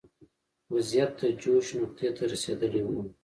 وضعیت د جوش نقطې ته رسېدلی و.